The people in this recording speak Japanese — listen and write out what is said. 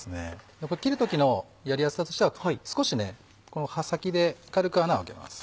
切る時のやりやすさとしては少しこの刃先で軽く穴を開けます。